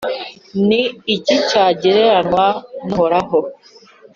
Ni iki cyagereranywa n’Uhoraho?